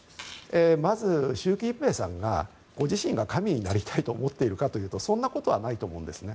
まず、習近平さんがご自身が神になりたいと思っているかというとそんなことはないと思うんですね。